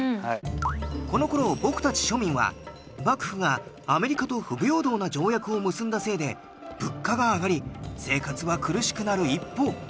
この頃僕たち庶民は幕府がアメリカと不平等な条約を結んだせいで物価が上がり生活は苦しくなる一方。